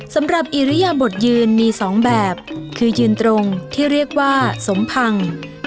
สำหรับอิริยบทยืนมี๒แบบคือยืนตรงที่เรียกว่าสมพัง